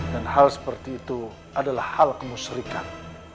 dan hal seperti itu adalah hal kemusyrikan